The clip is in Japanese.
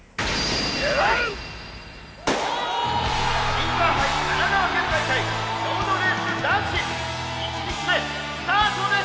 「インターハイ神奈川県大会ロードレース男子１日目スタートです！」。